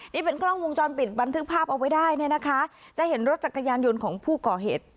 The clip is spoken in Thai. นี่เป็นกล้องวงจรปิดบันทึกภาพเอาไว้ได้เนี่ยนะคะจะเห็นรถจักรยานยนต์ของผู้ก่อเหตุ